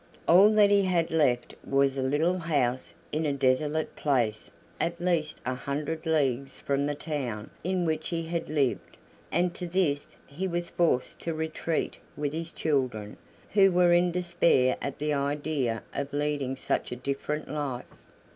All that he had left was a little house in a desolate place at least a hundred leagues from the town in which he had lived, and to this he was forced to retreat with his children, who were in despair at the idea of leading such a different life.